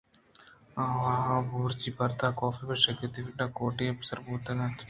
آ دوارگ بورچی ءَ پترت ءُکاف پہ گُشادی فریڈا ءِ کوٹی ءَ سربوتگ اَت